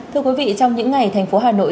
thưa quý vị trong những ngày thành phố hà nội